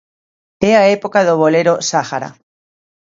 É a época do bolero "Sahara".